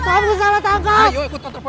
kamu salah tangkap